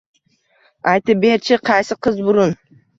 Aytib ber-chi, qaysi qiz burun